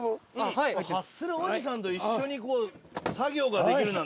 ハッスルおじさんと一緒に作業ができるなんて。